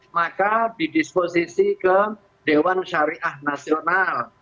maka di disposisi ke dewan syariah nasional